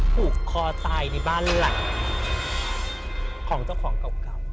ผูกคอตายในบ้านหลังของเจ้าของเก่า